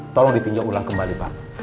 tolong ditinjau ulang kembali pak